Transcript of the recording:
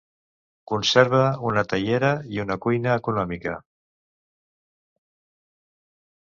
Conserva una teiera i una cuina econòmica.